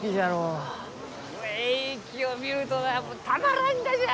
えい木を見るとなたまらんがじゃ！